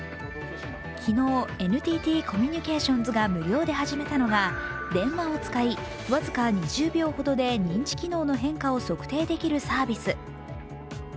昨日、ＮＴＴコミュニケーションズが無料で始めたのが、電話を使い、僅か２０秒ほどで認知機能の変化を測定できるサービス。